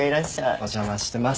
お邪魔してます。